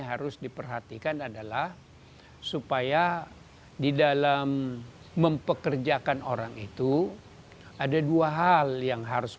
harus diperhatikan adalah supaya di dalam mempekerjakan orang itu ada dua hal yang harus